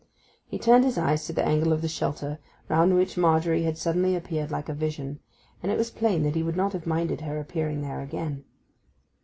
He turned his eyes to the angle of the shelter, round which Margery had suddenly appeared like a vision, and it was plain that he would not have minded her appearing there then.